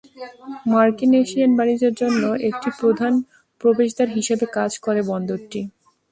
মার্কিন-এশিয়ান বাণিজ্যের জন্য একটি প্রধান প্রবেশদ্বার হিসাবে কাজ করে বন্দরটি।